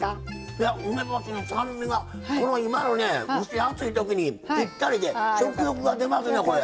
いや梅干しの酸味がこの今のね蒸し暑い時にぴったりで食欲が出ますねこれ。